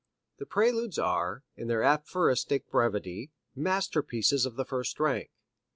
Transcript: The Preludes are, in their aphoristic brevity, masterpieces of the first rank.